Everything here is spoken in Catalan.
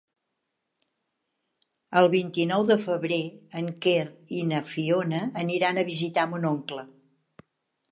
El vint-i-nou de febrer en Quer i na Fiona aniran a visitar mon oncle.